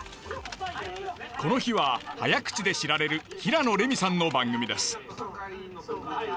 この日は早口で知られる平野レミさんの番組です。